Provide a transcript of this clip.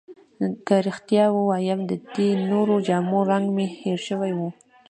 که رښتیا ووایم، د دې نورو جامو رنګ مې هیر شوی وو.